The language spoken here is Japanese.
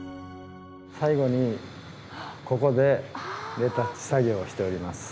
最後にここでレタッチ作業をしております。